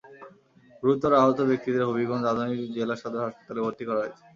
গুরুতর আহত ব্যক্তিদের হবিগঞ্জ আধুনিক জেলা সদর হাসপাতালে ভর্তি করা হয়েছে।